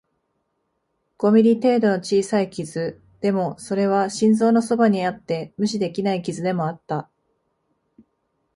五ミリ程度の小さい傷、でも、それは心臓のそばにあって無視できない傷でもあった